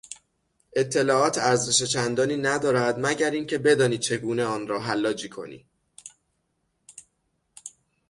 اطلاعات ارزش چندانی ندارد مگر اینکه بدانی چگونه آن را حلاجی کنی.